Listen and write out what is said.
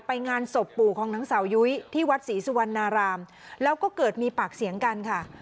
งานศพปู่ของนางสาวยุ้ยที่วัดศรีสุวรรณารามแล้วก็เกิดมีปากเสียงกันค่ะ